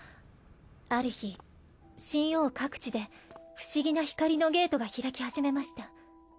ある日シンオウ各地で不思議な光のゲートが開き始めました。